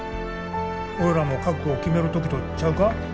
俺らも覚悟を決める時とちゃうか。